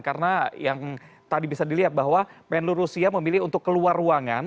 karena yang tadi bisa dilihat bahwa menlu rusia memilih untuk keluar ruangan